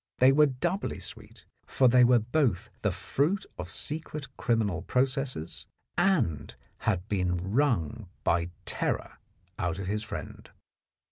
They were doubly sweet, for they were both the fruit of secret criminal processes and had been wrung by terror out of his friend.